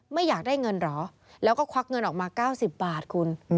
ไม่อยากได้เงินเหรอแล้วก็ควักเงินออกมา๙๐บาทคุณ